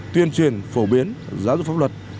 tuyên truyền phổ biến giáo dục pháp luật